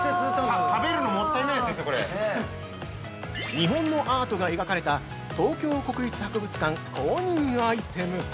◆日本のアートが描かれた東京国立博物館公認アイテム！